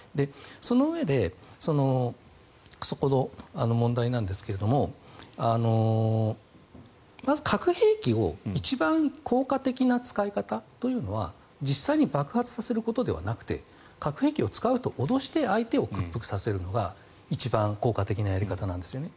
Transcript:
そのうえでそこの問題なんですがまず、核兵器を一番効果的な使い方というのは実際に爆発させることではなくて核兵器を使うと脅して相手を屈服させるのが一番効果的なやり方なんですよね。